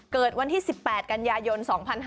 เกิดวันที่๑๘กันยายน๒๕๕๙